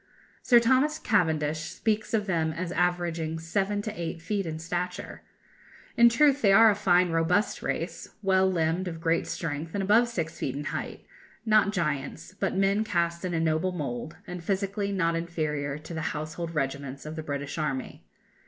Sir Thomas Cavendish speaks of them as averaging seven to eight feet in stature. In truth, they are a fine robust race; well limbed, of great strength, and above six feet in height; not giants, but men cast in a noble mould, and, physically, not inferior to the household regiments of the British army.